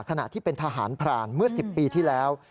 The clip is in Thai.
ขณะที่เป็นทหารพรานเมื่อ๑๐ปีที่แล้ว